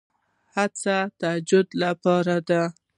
هڅې تجدید لپاره دي.